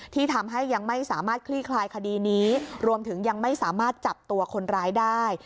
ที่ทำให้ยังไม่สามารถคลี่คลายคดีนี้รวมถึงยังไม่สามารถจับตัวคนร้ายได้